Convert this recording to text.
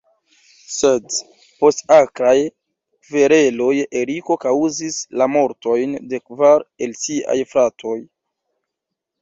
Sed post akraj kvereloj Eriko kaŭzis la mortojn de kvar el siaj fratoj.